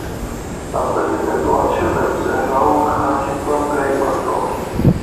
საპრეზიდენტო არჩევნებზე რაულ ხაჯიმბამ გაიმარჯვა.